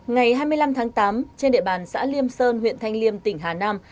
ngày hai mươi năm tháng tám trên địa bàn xã liêm sơn huyện thanh liêm tỉnh hà nam